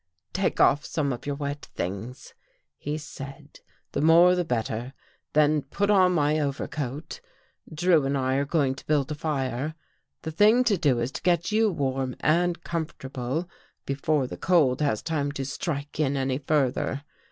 " Take off some of your wet things," he said, " the more the better, then put on my overcoat. Drew and I are going to build a fire. The thing to do is to get you warm and comfortable, before the cold has time to strike in any further.